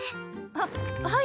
はっはい！